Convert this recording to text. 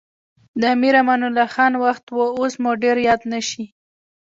د امیر امان الله خان وخت و اوس مو ډېر یاد نه شي.